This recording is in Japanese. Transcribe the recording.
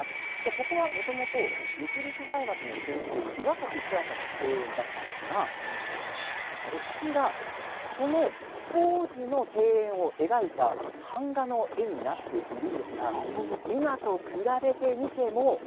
ここはもともと三菱財閥の総帥岩崎小弥太の庭園だったんですがこちら、その当時の庭園を描いた版画の絵になっているんですが今と比べてみても。